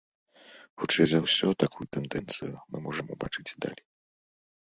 Хутчэй за ўсё, такую тэндэнцыю мы можам убачыць і далей.